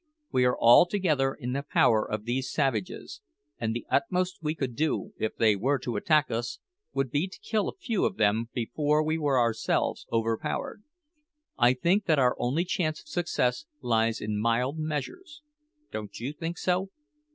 We are altogether in the power of these savages; and the utmost we could do, if they were to attack us, would be to kill a few of them before we were ourselves overpowered. I think that our only chance of success lies in mild measures. Don't you think so?"